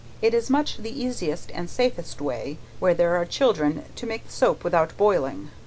It is much the easiest and safest way, where there are children, to make the soap without boiling.